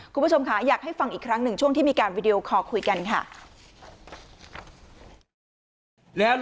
คุณผู้ชมค่ะอยากให้ฟังอีกครั้งหนึ่งช่วงที่มีการวิดีโอคอลคุยกันค่ะ